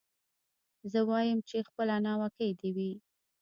زه وايم چي خپله ناوکۍ دي وي